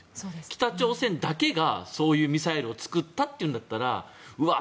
北朝鮮だけがそういうミサイルを作ったというんだったらうわ